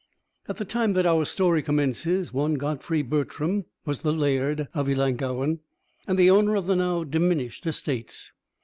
At the time that our story commences, one Godfrey Bertram was the Laird of Ellangowan, and the owner of the now diminished estates.